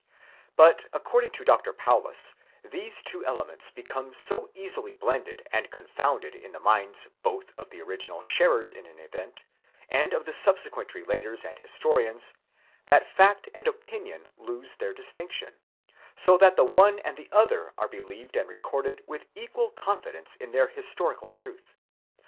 But, according to Dr. Paulus, these two elements become so easily blended and confounded in the minds both of the original sharers in an event, and of the subsequent re lators and historians, that fact and opinion lose their distinction ; so that the one and the other are believed and recorded with equal confidence in their historical truth.